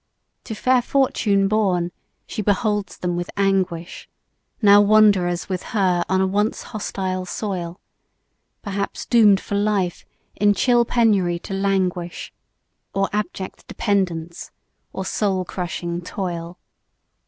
To fair fortune born, she beholds them with anguish, Now wanderers with her on a once hostile soil, Perhaps doom'd for life in chill penury to languish, Or abject dependence, or soul crushing toil.